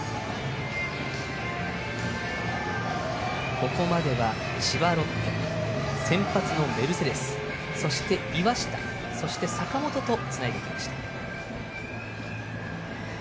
ここまでは千葉ロッテ先発のメルセデスそして、岩下、坂本とつないでいきました。